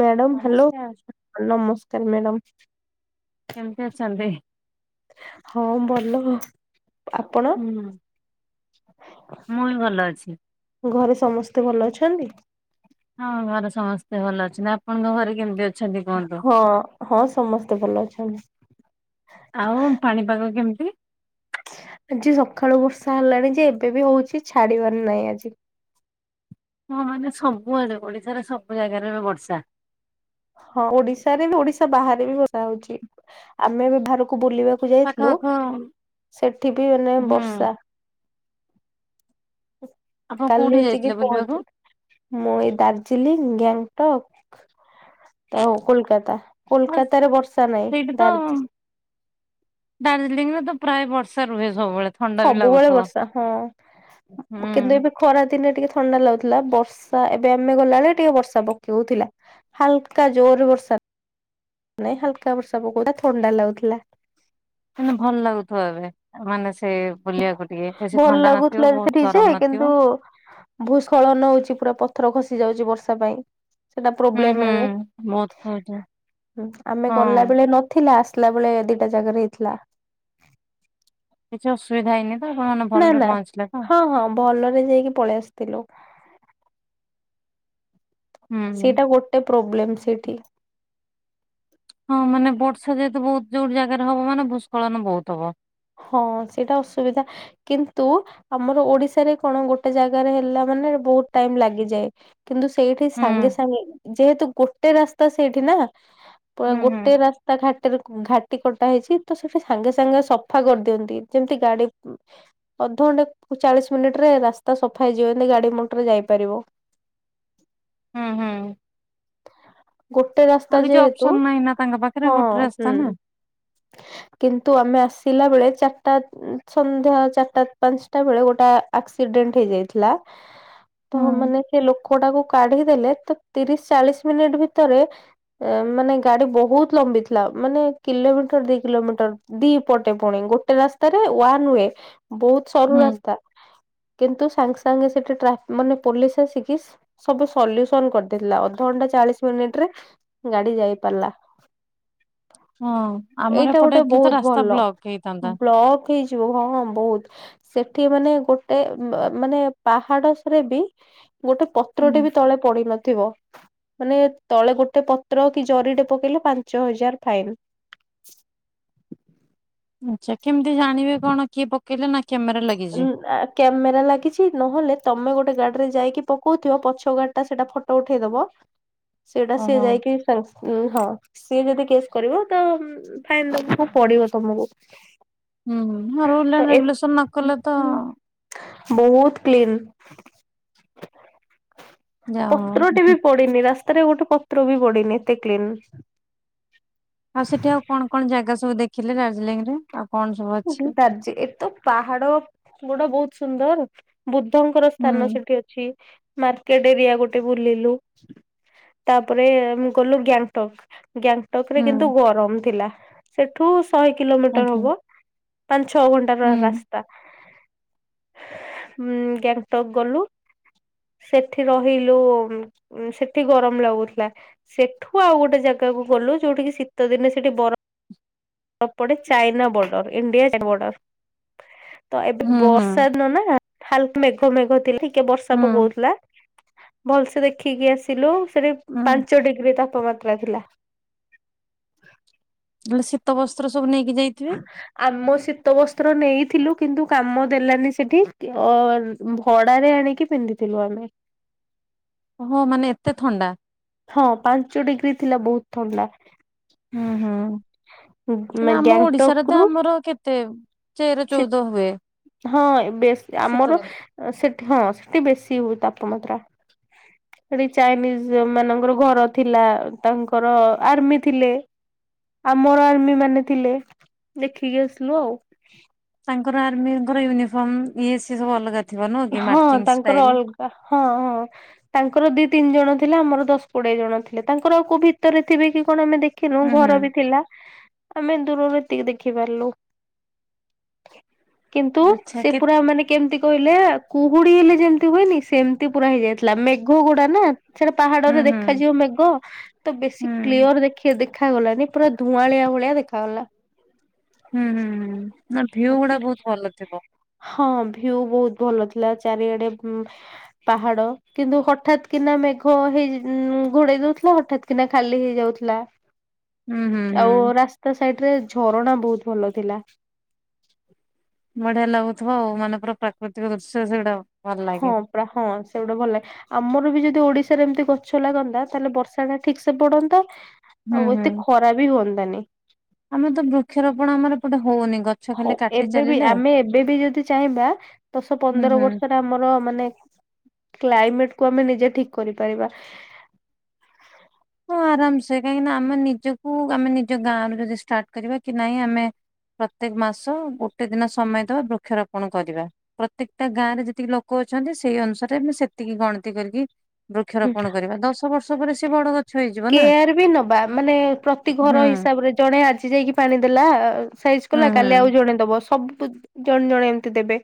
Madam hello ନମସ୍କାର ନମସ୍କାର madam. କେମତି ଅଛନ୍ତି? ହଁ ଭଲ। ଆପଣ? ହୁଁ। ମୁଁ ବି ଭଲ ଅଛି ଘରେ ସମସ୍ତେ ଭଲ ଅଛନ୍ତି? ହଁ ଘରେ ସମସ୍ତେ ଭଲ ଅଛନ୍ତି। ଆପଣଙ୍କ ଘରେ କେମିତି ଅ ହଁ ହଁ ସମସ୍ତେ ଭଲ ଅଛନ୍ତି। ଆଉ ପାଣିପାଗ କେମିତି? ଆଜି ସକାଳୁ ବର୍ଷା ହେଲାଣି ଯେ ଏବେ ବି ହଉଚି ଛାଡିବାର ନାହିଁ ଆଜି। ହଁ ମାନେ ସବୁଆଡେ ଓଡିଶାରେ ସବୁ ଜାଗାରେ ଏ ବର୍ଷା। ହଁ ଓଡିଶାରେ ବି ଓଡିଶା ବାହାରେ ବି ବର୍ଷା ହଉଛି। ଆମେ ବି ବାହାରକୁ ବୁଲିବାକୁ ପାଖ ଯାଇଥିଲୁ ପାଖ ସେଠି ବି ମାନେ ହୁଁ ବର୍ଷା। ଆପଣ କୋଉଠି କାଲି ଯାଇଥିଲେ ଆସିକି ବୁଲିବାକୁ? ପହଞ୍ଚି ମୁଁ ଏଇ ଦାର୍ଜିଲିଂ ଗ୍ୟାଙ୍ଗଟକ ଆଉ କୋଲକାତା। ହଁ କୋଲକାତାରେ ବର୍ଷା ନାଇଁ ଦାର୍ ଦାର୍ଜିଲିଂ ରେ ତ ପ୍ରାୟ ବର୍ଷା ରୁହେ ସବୁବେଳେ। ଥଣ୍ଡା ବି ସବୁବେଳେ ଲାଗୁଥିବ। ବର୍ଷା ହଁ। କିନ୍ତୁ ହୁଁ ଏବେ ଖରା ଦିନେ ଟିକେ ଥଣ୍ଡା ଲାଗୁଥିଲା। ବର୍ଷା ଏବେ ଆମେ ଗଲାବେଳେ ଟିକେ ବର୍ଷା ପକେଉ ଥିଲା। ହାଲକା ଜୋର ବର୍ଷା ନାଇଁ ହାଲକା ବର୍ଷା ପକଉଥିଲା ଥଣ୍ଡା ଲାଗୁଥିଲା। କିନ୍ତୁ ଭଲ ଲାଗୁଥିବ ଏବେ ମାନେ ସେ ବୁଲିବାକୁ ଟିକେ ବେଶୀ ଭଲ ଥଣ୍ଡା ନଥିବ ଲାଗୁଥିଲା ସେଠି ବହୁତ ଯେ ଗରମ କିନ୍ତୁ ନଥିବ। ଭୂସ୍ଖଳନ ହଉଚି ପୁରା ପଥର ଖସି ଯାଉଚି ବର୍ଷା ପାଇଁ। ସେଟା ହୁଁ ପ୍ରୋବ୍ଲେମ ହୁଁ ଏବେ। ବହୁତ କହୁଛ ଆମେ ହଁ। ଗଲାବେଳେ ନ ଥିଲା। ଆସିଲା ବେଳେ ଦିଟା ଜାଗାରେ ହେଇଥିଲା। କିଛି ଅସୁବିଧା ହେଇନି? ତ ଆପଣ ମାନେ ନା ଭଲରେ ନା। ପହଞ୍ଚିଲେ ତ ହଁ ହଁ ଭଲରେ ଯାଇକି ପଳେଇ ଆସିଥିଲୁ। ହୁଁ। ସେଇଟା ଗୋଟେ ପ୍ରୋବ୍ଲେମ ସେଠି। ହଁ ମାନେ ବର୍ଷା ଯେହେତୁ ବହୁତ ଯୋଉଠି ଜାଗାରେ ହବ ମାନେ ଭୂସ୍କଳନ ବହୁତ ହବ। ହଁ ସେଇଟା ଅସୁବିଧା କିନ୍ତୁ ଆମର ଓଡ଼ିଶାରେ କଣ ଗୋଟେ ଜାଗାରେ ହେଲା ମାନେ ବହୁତ ଟାଇମ୍ ଲାଗିଯାଏ। କିନ୍ତୁ ସେଇଠି ସାଙ୍ଗେ ହୁଁ। ସାଙ୍ଗେ ଯେହେତୁ ଗୋଟେ ରାସ୍ତା ସେଇଠି ନା ପୁରା ହୁଁ ହୁଁ ଗୋଟେ ରା ତା ଘାଟିରେ ଘାଟି କଟା ହେଇଛି ତ ସେଠି ସାଙ୍ଗେ ସାଙ୍ଗେ ସଫା କରିଦିଅନ୍ତି। ଯେମିତି ଗାଡ଼ି ଅଧଘଣ୍ଟେ ଚାଳିଶ ମିନିଟରେ ରାସ୍ତା ସଫା ହେଇଯିବ ଏମତି ଗାଡ଼ି ମଟର ଯାଇପାରିବ। ହୁଁ ହୁଁ। ଗୋଟେ ଆଉ ରାସ୍ତା କିଛି ଯେହେତୁ ଅପସନ ନାହିଁ ନା ତାଙ୍କ ପାଖରେ ହଁ ଗୋଟେ ରାସ୍ତା ହୁଁ। ନା କିନ୍ତୁ ଆମେ ଆସିଲା ବେଳେ ଚାରଟା ସନ୍ଧ୍ୟା, ଚାରିଟା, ପାଞ୍ଚଟା, ବେଳେ ଗୋଟା ଆକ୍ସିଡେଣ୍ଟ ହେଇଯାଇଥିଲା। ତ ହୁଁ। ମାନେ ସେ ଲୋକ ଟାକୁ କାଢ଼ି ଦେଲେ ତ, ତିରିଶ, ଚାଳିଶ, ମିନିଟ ଭିତରେ ମାନେ ଗାଡ଼ି ବହୁତ ଲମ୍ବି ଥିଲା। ମାନେ କିଲୋମି ଦି କିଲୋମିଟର ଦି ପଟେ ପୁଣି ଗୋଟେ ରାସ୍ତାରେ ୱାନ୍ ୱେ ବହୁତ ସରୁ ହୁଁ ରାସ୍ତା। କିନ୍ତୁ ସାଙ୍ଗ ସାଙ୍ଗ ସେଠି ଟ୍ରା ମାନେ ପୋଲିସ ଆସିକି ସବୁ ସଲ୍ୟୁସନ କରିଦେଇଥିଲା ଅଧଘଣ୍ଟା ଚାଳିଶ ମିନିଟ୍ ରେ ଗାଡ଼ି ଯାଇ ପାରିଲା। ହଁ ଆମର ଏଇଟା ଏପଟେ ଗୋଟେ ହେଇଥିଲେ ତ ରାସ୍ତା ବ୍ଲକ ହେଇଥାନ୍ତା। ପକଇଯିବ ହଁ ହଁ ବହୁତ୍ ସେଠି ମାନେ ଗୋଟେ ମ ମାନେ ପାହାଡ଼ ସରେ ବି ଗୋଟେ ପତ୍ରଟିଏ ହୁଁ ବି ତଳେ ପଡି ନଥିବ। ମାନେ ତଳେ ଗୋଟେ ପତ୍ର କି ଜରିଟେ ପକେଇଲେ ପାଞ୍ଚ ହଜାର ଫାଇନ୍। ଆଚା କେମିତି ଜାଣିବେ କଣ କିଏ ପକେଇଲେ ନା କ୍ୟାମେରା ଲାଗିଛି? କ୍ୟାମେରା ଲାଗିଛି ନହେଲେ ତମେ ଗୋଟେ ଗାଡ଼ି ରେ ଯାଇକି ପକଉଥିବ ପଛ ଗାଡ଼ି ଟା ସେଟା ଫଟୋ ଉଠେଇଦବ ସେଇଟା ସିଏ ଓହୋ ଯାଇକି ସାଙ୍ଗ ଉଁ ହଁ ସିଏ ଯଦି କେସ୍ କରିବ ତ ଫାଇନ୍ ଦବାକୁ ପଡ଼ିବ ତମକୁ। ହୁଁ ଆଉ ତ ରୁଲେ ଏ ରେଗୁଲେସନ ନ କଲେ ତ ବହୁତ କ୍ଲିନ ଯା ପତ୍ରଟେ ହଉ ବି ପ ଡ଼ିନି ରାସ୍ତାରେ ଗୋଟେ ପତ୍ର ବି ପଡ଼ିନି ଏତେ କ୍ଲିନ। ଆଉ ସେଠି ଆଉ କଣ କଣ ଜାଗା ସବୁ ଦେଖିଲେ ଦାର୍ଜିଲିଂ ରେ? ଆଉ କଣ ସବୁ ଭ ଦାର୍ ଯେ ଏ ତ ପାହାଡ଼ ଗୋଟେ ବହୁତ ସୁନ୍ଦର ବୁଦ୍ଧଙ୍କର ହୁଁ ସ୍ଥାନ ସେଠି ଅଛି। ମାର୍କେଟ ଏରିଆ ଗୋଟେ ବୁଲିଲୁ ତାପରେ ମୁଁ ଗଲୁ ଗ୍ୟାଙ୍ଗଟକ୍ ଗ୍ୟାଙ୍ଗଟକ୍ ରେ ହୁଁ। କିନ୍ତୁ ଗରମ ଥିଲା ସେଠୁ ଶହେ କିଲୋମିଟର ଆଜ୍ଞା ହବ। ପଞ୍ଚ ଛ ଘଣ୍ଟାର ହୁଁ ରାସ୍ତା ଉ ଗେଙ୍ଗଟକ୍ ଗଲୁ। ସେଠି ରହିଲୁ ସେଠି ଗରମ ଲାଗୁଥିଲା। ସେଠୁ ଆଉ ଗୋଟେ ଜାଗାକୁ ଗଲୁ ଯୋଉଠିକି ଶୀତ ଦିନେ ସେଠି ବର ଫ ପଡ଼େ ଚାଇନା ବର୍ଡର ଇଣ୍ଡିଆ ବର୍ଡର ତ ଏବେ ହୁଁ ହୁଁ ବର୍ଷା ଦିନ ନା ହାଲ୍ ମେଘ ମେଘ ଥିଲା ଟିକେ ବର୍ଷା ହୁଁ ପକଉଥିଲା। ଭଲସେ ଦେଖିକି ଆସିଲୁ ସେଠି ହୁଁ ପାଞ୍ଚ ଡିଗ୍ରୀ ତାପମାତ୍ରା ଥିଲା। ହେଲେ ଶୀତ ବସ୍ତ୍ର ସବୁ ନେଇକି ଯାଇଥିବେ ଆମ ଶୀତ ବସ୍ତ୍ର ନେଇଥିଲୁ କିନ୍ତୁ କାମ ଦେଲାନି ସେଠି ଅର୍ ଭଡ଼ା ରେ ଆଣିକି ପିନ୍ଧିଥିଲୁ ଆମେ। ହୋ ହୋ ମାନେ ଏତେ ଥଣ୍ଡା। ହଁ ପାଞ୍ଚ ଡିଗ୍ରୀ ଥିଲା ବହୁତ୍ ଥଣ୍ଡା। ହୁଁ ହୁଁ ହେନେ ଆମ ଗ୍ୟାଙ୍ଗଟକ ଓଡିଶାରେତ ରୁ ଆମର କେତେ ତେର ଚଉଦ ହୁଏ ହଁ ବେଶ୍ ଆମର ଶୀତଦିନେ ସେଠି ହଁ ସେଠି ବେଶୀ ହୁଏ ତାପମାତ୍ରା। ସେଠି ଚାଇନିଜ୍ ମାନଙ୍କର ଘର ଥିଲା ତାଙ୍କର ଆର୍ମି ଥିଲେ। ଆମର ଆର୍ମି ମାନେ ଥିଲେ ଦେଖିକି ଆସିଲୁ ଆଉ। ତାଙ୍କର ଆର୍ମିଙ୍କର ୟୁନିଫର୍ମ ଇଏ ସିଏ ସବୁ ଅଲଗା ଥିବ ନୁହଁକି ହଁ ମାର୍ଚିଂ ତାଙ୍କର ଷ୍ଟାଇଲ୍? ଅଲଗା ହଁ ହଁ। ତାଙ୍କର ଦି ତିନି ଜଣ ଥିଲେ ଆମର ଦଶ କୋଡ଼ିଏ ଜଣ ଥିଲେ ତାଙ୍କର ଆଉ କୋଉ ଭିତରେଥିବେକି କଣ ଆମେ ଦେଖ ଦେଖିନୁ ହୁଁ ହୁଁ ଘରବି ଥିଲା ଆମେ ଦୂରରୁ ଏତିକି ଦେଖି ପାରିଲୁ। କିନ୍ତୁ ଆଚ୍ଛା ସେ କେ ପୁରା ମାନେ କେମିତି କହିଲେ କୁହୁଡ଼ି ହେଲେ ଯେମିତି ହୁଏନି ସେମିତି ପୁରା ହେଇଯାଇଥିଲା ମେଘ ଗୁଡ଼ାନା। ସେଟା ହୁଁ ପାହାଡ଼ରେ ହୁଁ ଦେଖାଯିବ ମେଗ ତବେଶୀ ହୁଁ କ୍ଲିୟର ଦେଖି ଦେଖାଗଲାନି ପୁରା ଧୁଆଁଳିଆ ଭଳିଆ ଦେଖାଗଲା। ହୁଁ ହୁଁ ହୁଁ ନା ଭିଉ ଗୁଡ଼ା ବହୁତ୍ ଭଲ ଥିବ। ହଁ ଭିୟୁ ବହୁତ୍ ଭଲ ଥିଲା ଚାରିଆଡ଼େ ପାହାଡ଼ କିନ୍ତୁ ହଠାତ୍ କିନା ମେଘ ହେଇ ଘୋଡେଇ ଦଉଥିଲା ହଠାତ୍ କିନା ଖାଲି ହେଇଯାଉଥିଲା। ହୁଁ ହୁଁ ହୁଁ ଆଉ ରାସ୍ତା ସାଇଟିରେ ଝରଣା ବହୁତ୍ ଭଲ ଥିଲା। ବଢ଼ିଆ ଲାଗୁଥିବ ଆଉ ମାନେ ପୁରା ପ୍ରାକୃତିକ ଦୃଶ୍ୟ ସେଗୁଟାକ। ହଁ ପାରା ହଁ ସେଗୁଡ଼ା ଭଲ ଲାଗେ ଆମରବି ଯଦି ଓଡିଶାରେ ଏମତି ଗଛ ଲାଗନ୍ତା ତାହେଲେ ବର୍ଷାଟା ଠିକ୍ ସେ ପଡ଼ନ୍ତା। ହୁଁ ଆଉ ଏତେ ଖରାବି ହଅନ୍ତାାନି। ଆମରତ ବୃକ୍ଷରୋପଣ ଆମର ଏପଟେ ହଉନି ଗ ହଉ ଏବେବି ଆମେ ଏବେବି ଯଦି ଚାହିଁବା ଦଶ ହୁଁ ପନ୍ଦର ହୁଁ। ବର୍ଷ ଆମର ମାନେ କ୍ଲାଇମେଟକୁ ଆମେ ନିଜେ ଠିକ୍ କରିପାରିବା। ହଁ ଆରାମସେ କାହିଁକିନା ଆମେ ନିଜକୁ ଆମେ ନିଜ ଗାଁରୁ ଯଦି ଷ୍ଟାର୍ଟ କରିବା କି ନାଇଁ ଆମେ ପ୍ରତ୍ୟେକ ମାସ ଗୋଟେ ଦିନ ସମୟ ଦବା ବୃକ୍ଷରୋପଣ କରିବା। ପ୍ରତ୍ୟେକଟା ଗାଁରେ ଯେତିକି ଲୋକ ଅଛନ୍ତି ସେଇ ଅନୁସାରେ ସେତିକି ଗଣତି କରିକି ବୃକ୍ଷରୋପଣ କରିବା ଦଶ ବର୍ଷ ପରେ ସେବଡ଼ ଗ କେୟାରବି ନବା ମାନେ ପ୍ରତି ଘର ହୁଁ ହିସାବରେ ଜଣେ ଆଜି ଯାଇକି ପାଣି ଦେଲା ସାଇଜି ହୁଁ କଲା ହୁଁ। କାଲି ଆଉ ଜଣେ ଦବ ସବୁ ଜଣେ ଜଣେ ଏମିତି ଦେବେ।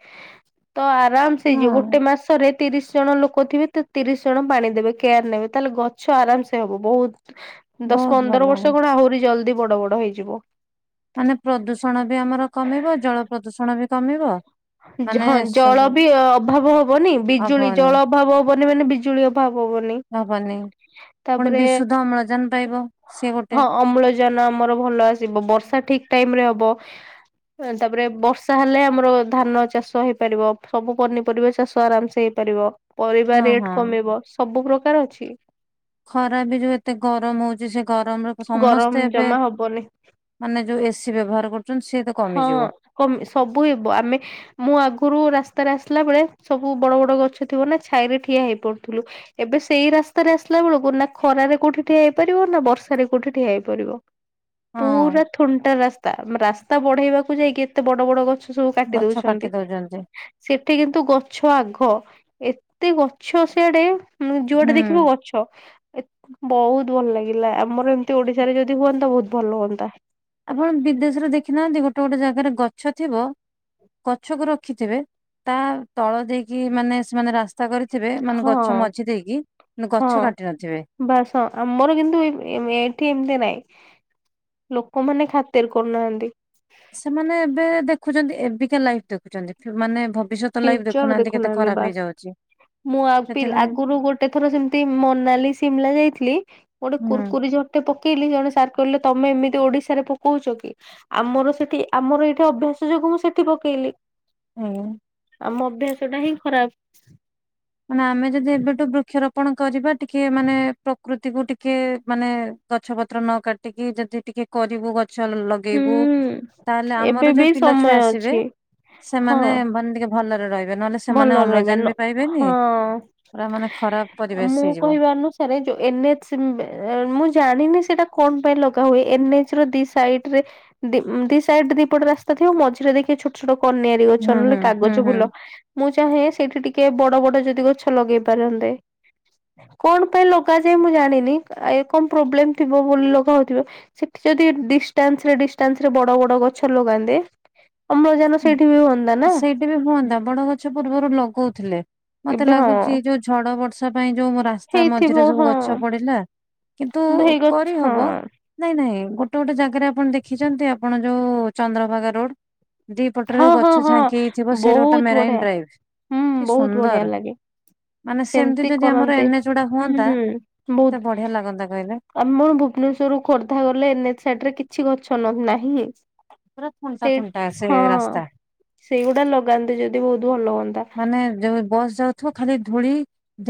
ତ ଆରାମସେ ହେଇଯିବ ହଁ ଗୋଟେ ମାସରେ ତିରିଶି ଜଣ ଲୋକ ିବେ ତତିରିଶି ଜଣ ପାଣି ଦେବେ କେୟାର ନେବେ ତାହେଲେ ଗଛ ଆରାମସେ ହବ। ବହୁତ୍ ଦଶ ବହୁତ ଭଲ। ପନ୍ଦର ବର୍ଷ କଣ ଆହୁରି ଜଲ୍ଦି ବଡ଼ ବଡ଼ ହେଇଯିବ। ମାନେ ପ୍ରଦୂଷଣବି ଆମର କମିବ ଜଳ ପ୍ରଦୂଷଣବି କମିବ ମାନେ ହଁ ଜଳବି ଅଭାବନି ଅଭାବ ହବନି ବିଜୁଳି ହବନି। ଜଳ ଅଭାବ ହବନି ମାନେ ବିଜୁଳି ଅଭାବ ହବନି। ହବନି ପୁଣି ତାପରେ ବିଶୁଦ୍ଧ ଅମ୍ଳଜାନ ପାଇବ ସିଏ ଗୋଟେ ଓଜନ ଆମର ଭଲ ଆସିବ ବର୍ଷା ଠିକ୍ ଟାଇମରେ ହବ। ତାପରେ ବର୍ଷା ହେଲେ ଆମର ଧାନ ଚାଷ ହେଇପାରିବ ସବୁ ପନିପରିବା ଚାଷ ଆରାମସେ ହେଇପାରିବ। ପରିବା ହଁ ହଁ। ରେଟ୍ କମିବ ସବୁ ପ୍ରକାର ଅଛି। ଖରାବି ଯୋଉ ଏତେ ଗରମ ହଉଚି ସେଗରମରୁ ତ ସମସ୍ତେ ଗରମ ଏବେ ଜମା ହବନି ମାନେ ଯୋଉ ଏସିି ବ୍ୟବହାର କରୁଚନ୍ତି ସିଏତ ହଁ। କମିଯିବ। କମି ସବୁ ହେବ ଆମେ। ମୁଁ ଆଗରୁ ରାସ୍ତାରେ ଆସିଲା ବେଳେ ସବୁ ବଡ ବଡ ଗଛ ଥିବ ନା ଛାଇରେ ଠିଆ ହେଇ ପଡୁଥିଲୁ। ଏବେ ସେଇ ରାସ୍ତାରେ ଆସିଲା ବେଳକୁ ନା ଖରାରେ କୋଉଠି ଠିଆ ହେଇପାରିବ ନା ବର୍ସ ସାରେ କୋଉଠି ଠିଆ ହେଇପାରିବ ହଁ ପୁରା। ଥୁଣ୍ଟା ରାସ୍ତା ଉଁ ରାସ୍ତା ବଢେଇବାକୁ ଯାଇକି ଏତେ ବଡ ବଡ ଗଛ। ସବୁ କାଟି ଦଉଛନ୍ତି। ସେଠି କିନ୍ତୁ ଗଛ ଆଘ ଏତେ ଗଛ ସିଆଡେ। ଉଁ ଯୁଆଡ଼େ ହୁଁ। ଦେଖିବୁ ଗଛ ଏ ବହୁତ ଭଲ ଲାଗିଲା ଆ ଆମର ଏମିତି ଓଡିଶାରେ ଯଦି ହୁଅନ୍ତା ବହୁତ ଭଲ ହୁଅନ୍ତା। ଆପଣ ବିଦେଶରେ ଦେଖିନାହାନ୍ତି ଗୋଟେ ଗୋଟେ ଜାଗାରେ ଗଛ ଥିବ। ଗଛକୁ ରଖିଥିବେ ତା ତଳ ଦେଇକି ମାନେ ସେମାନେ ରାସ୍ ତା କରିଥିବେ ମାନେ ହଁ ଗଛ ମଝି ଦେଇକି ଗଛ କାଟି ନଥିବେ। ବାସ ହଁ ଆମର କିନ୍ତୁ ଏମ ଏମ ଏଠି ଏମିତି ନାଇଁ। ଲୋକମାନେ ଖାତିର କରୁନାହାନ୍ତି। ସେମାନେ ଏବେ ଦେଖୁଛନ୍ତି ଏବିକା ଲାଇଫ ଦେଖୁଚନ୍ତି ଫ୍ୟୁ ମାନେ ଭ ଫ୍ୟୁଚର ଦେଖୁନାହାନ୍ତି ବାସ୍। ମୁଁ ଆ ପିଲ ସେଥିପାଇଁ ଆଗରୁ ଗୋଟେ ଥର ସେମିତି ମନାଲି ସିମ୍ଲା ଯାଇଥିଲି। ଗୋଟେ ହୁଁ। କୁରକୁରି ଜରିଟେ ପକେଇଲି ଜଣେ ସାର୍ କହିଲେ ତମେ ଏମିତି ଓଡିଶାରେ ପକଉଚ କି? ଆମର ସେଠି ଆମର ଏଇଠି ଅଭ୍ୟାସ ଯୋଗୁଁ ମୁଁ ସେଠି ପକେଇଲି। ହୁଁ। ଆମ ଅଭ୍ୟାସ ଟା ହିଁ ଖରାପ। ମାନେ ଆମେ ଯଦି ଏବେଠୁ ବୃକ୍ଷରୋପଣ କରିବା ଟିକେ ମାନେ ପ୍ରକୃ ତିକୁ ଟିକେ ମାନେ ଗଛ ପତ୍ର ନ କାଟିକି ଯଦି ଟିକେ କରିବୁ ଗଛ ଲ ହୁଁ ଗେଇବୁ ତାହେଲେ ଏବେ ଆମର ବି ଯୋଉ ପିଲାଛୁଆ ସମୟ ଆସିବେ ଅଛି ହଁ ସେମାନେ ମାନ ଟିକେ ଭଲରେ ରହିବେ ନହେଲେ ଭଲ ସେମାନେ ରହିବେ ଅମ୍ଳଜାନ ନ ବି ପାଇବେନି ହଁ ପୁରା ମାନେ ଖରାପ ପରିବେଶ ହେଇଯିବ। ଆରେ ଯଉ ଏନ ଏଚ ଉଁ ଏ ମୁଁ ଜାଣିନି ସେଇଟା କଣ ପାଇଁ ଲଗା ହୁଏ ଏନ ଏଚ ର ଦି ସାଇଡରେ। ଦି ଉଁ ଦି ସାଇଡ ଦିପଟ ରାସ୍ତା ଥିବ ମଝିରେ ଦେଖିବେ ଛୋଟ ଛୋଟ କନିଆ ରି ଗଛ ହୁଁ ନହେଲେ ହୁଁ କାଗଜ ହୁଁ ଫୁଲ ମୁଁ ଚାହେଁ ସେଇଠି ଟିକେ ବଡ ବଡ ଯଦି ଗଛ ଲଗେଇ ପାରନ୍ତେ। କଣ ପାଇଁ ଲଗାଯାଏ ମୁଁ ଜାଣିନି ଆ ଏ କଣ ପ୍ରୋବ୍ଲେମ ଥିବ ବୋଲି ଲଗା ହଉଥିବ। ସେଠି ଯଦି ଡିଷ୍ଟାନ୍ସ ରେ ଡିଷ୍ଟାନ୍ସ ରେ ବଡ ବଡ ଗଛ ଲଗାନ୍ତେ। ଅମ୍ଳଜାନ ସେଇଠି ବି ହୁଅନ୍ତା ନା। ଠି ବି ହୁଅନ୍ତା ବଡ ଗଛ ପୂର୍ବରୁ ଲଗଉଥିଲେ ମତେ ଏବେ ହଁ ଲାଗୁଚି ଯୋଉ ଝଡ, ବର୍ଷା ପାଇଁ ଯୋଉଁ ମ ରାସ୍ତା ମଝିରେ ହେଇଥିବ ସବୁ ହଁ ଗଛ ପଡିଲା। କିନ୍ତୁ ହେଇ ଗଛ କରିହବ। ହଁ ନାଇଁ ନାଇଁ ଗୋଟେ ଗୋଟେ ଜାଗାରେ ଆପଣ ଦେଖିଛନ୍ତି ଆପଣ ଯୋଉ ଚନ୍ଦ୍ରଭାଗା ରୋଡ। ଦି ପଟରେ ହଁ ଯୋଉ ହଁ ଗଛ ହଁ ଛାଙ୍କି ହେଇଥିବ ସେ ରୋଡ ଟା ବହୁତ ମେରାଇନ ବଢିଆ ଡ୍ରାଇଭ ହୁଁ କି ବହୁତ ବଢିଆ ସୁନ୍ଦର। ଲାଗେ। ମାନେ ସେମିତି ଯଦି ଆମର କରନ୍ତି ଏନଏଚ ଗୁଡା ହୁଁ ହୁଅନ୍ତା ହୁଁ କେତେ ବହୁତ। ବଢିଆ ଲାଗନ୍ତା କହିଲେ ଆମର ଭୁବନେଶ୍ୱରରୁୁ ଖୋର୍ଦ୍ଧା ଗଲେ ଏନ ଏଚ ସାଇଡରେ କିଛି ଗଛ ନ ନାହିଁ। ପୁରା ଥୁଣ୍ଟା ଥୁଣ୍ଟା ସେ ରାସ୍ତା। ସେଇଗୁଡ଼ା ଲଗାନ୍ତେ ଯଦି ବହୁତ ଭଲ ହୁଅନ୍ତା। ମାନେ ଯୋଉ ବସ୍ ଯାଉଥିବ ଖାଲି ଧୂଳି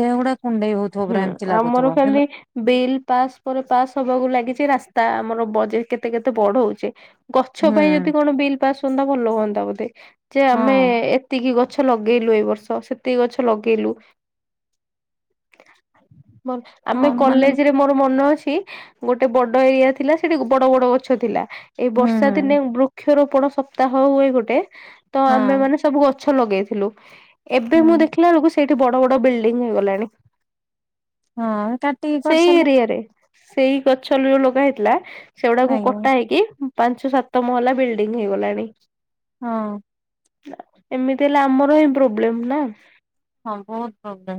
ଦେହ ଗୁଡା କୁଣ୍ଡେଇ ହଉଥିବ ହୁଁ ପୁରା ଏମିତି ଆମର ଲାଗୁଥିବ ଖାଲି କିନ୍ତୁ। ବିଲ୍ ପାସ୍ ପରେ ପାସ୍ ହବାକୁ ଲାଗିଛି ରାସ୍ତା ଆମର ବଜେଟ କେତେ କେତେ ବଢଉଛି। ଗଛ ହୁଁ ପାଇଁ ଯଦି କଣ ବିଲ୍ ପାସ୍ ହୁଅନ୍ତା ଭଲ ହୁଅନ୍ତା ବୋଧେ ଯେ ହଁ ଆମେ ଏ ଏତିକି ଗଛ ଲଗେଇଲୁ ଏ ବର୍ଷ ସେତିକି ଗଛ ଲଗେଇଲୁ। ମର ଆମେ ହଁ ମାନେ ହୁଁ କଲେଜରେ। ମୋର ମନ ଅଛି ଗୋଟେ ବଡ଼ ଏରିଆ ଥିଲା ସେଠି ବଡ଼ ବଡ଼ ଗଛ ଥିଲା। ଏଇ ବର୍ଷା ଦିନେ ହୁଁ ବୃକ୍ଷରୋପଣ ସପ୍ତାହ ହୁଏ ଗୋଟେ ତ ହଁ ଆମେ ମାନେ ସବୁ ଗଛ ଲଗେଇଥିଲୁ ଏବେ ହୁଁ ମୁଁ ଦେଖିଲା ବେଳକୁ ସେଠି ବଡ଼ ବଡ଼ ବିଲ୍‌ ଡିଙ୍ଗ ହେଇଗଲାଣି ହଁ କାଟିକି ସେଇ କରିସାରିଲେ ଏରିଆରେ। ସେଇ ଗଛ ଯୋଉ ଲଗା ହେଇଥିଲା ସେଗୁଡାକୁ ନାଇଁ ହଁ କଟା ହେଇକି ପାଞ୍ଚ ସାତ ମହଲା ବିଲଡିଂ ହେଇଗଲାଣି। ହଁ। ଏମିତି ହେଲେ ଆମର ହିଁ ପ୍ରୋବ୍ଲେମ୍ ନା। ହଁ ବହୁତ ପ୍ରୋବ୍ଲେମ୍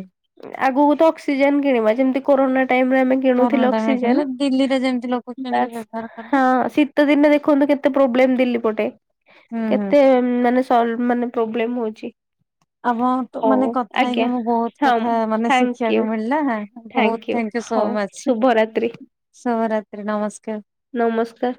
ଆଗକୁ ତ ଅକ୍ସିଜେନ କିଣିବା ଯେମିତି କରୋନା ଟାଇମ୍ ରେ ଏମାନେ କରୋନା କିଣୁଥିଲେ ଟାଇମରେ କିଣିଲେ ଦିଲ୍ଲୀରେ ଯେମିତି ଲୋକ ଅକ୍ସିଜେନ କିଣିକି ବାସ୍‌ ବ୍ୟବହାର କଲେ ହାଁ ସି ତ ଦିନେ ଦେଖନ୍ତୁ କେତେ ପ୍ରୋବ୍ଲେମ୍ ଦିଲ୍ଲୀ ପଟେ ହୁଁ ହୁଁ। କେତେ ମାନେ ସ ମାନେ ପ୍ରୋବ୍ଲେମ୍ ହୋଉଚି। ଆମ ତ ମାନେ କଥା ହେଇକି ମୁଁ ବହୁତ ହଁ ମାନେ ଥ୍ୟାଙ୍କ ଶିଖିବାକୁ ୟୁ ମିଳିଲା ହଁ ବହୁତ ଥ୍ୟାଙ୍କ ୟୁ ଥାଙ୍କ୍ୟୁ ସୋ ହଉ ମଚ୍ଚ। ଶୁଭରାତ୍ରି ଶୁଭରାତ୍ରୀ ନମସ୍କାର। ନମସ୍କାର।